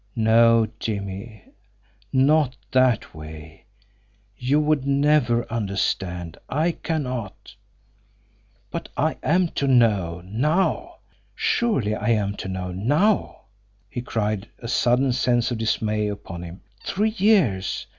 "No, Jimmie; not that way. You would never understand. I cannot " "But I am to know now! Surely I am to know NOW!" he cried, a sudden sense of dismay upon him. Three years!